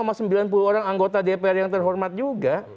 sama sembilan puluh orang anggota dpr yang terhormat juga